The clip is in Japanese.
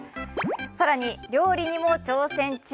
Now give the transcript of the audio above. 更に、料理にも挑戦中。